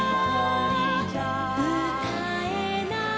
「」「うたえない」「」